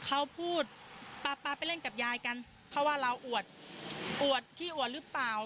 เขาพูดป๊าป๊าไปเล่นกับยายกันเพราะว่าเราอวดอวดขี้อวดหรือเปล่า